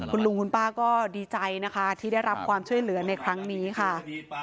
คุณลุงคุณป้าก็ดีใจนะคะที่ได้รับความช่วยเหลือในครั้งนี้ค่ะ